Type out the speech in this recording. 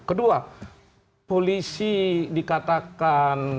kedua polisi dikatakan